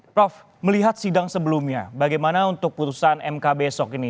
prof melihat sidang sebelumnya bagaimana untuk putusan mk besok ini